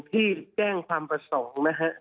ที่แจ้งความประสงค์